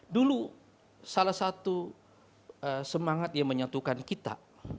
dulu salah satu semangat yang menyatukan kita